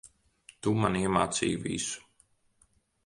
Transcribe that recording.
Tu, man iemācīji visu.